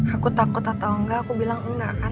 aku takut atau enggak aku bilang enggak kan